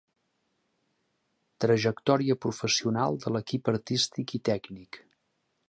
Trajectòria professional de l'equip artístic i tècnic.